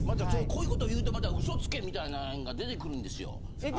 こういうこと言うとうそつけみたいなのが出てくるんですよ。